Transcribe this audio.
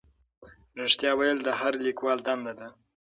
رښتیا ویل د هر لیکوال دنده ده.